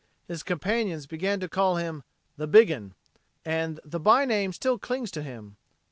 His companions began to call him "The Big un" and the by name still clings to him.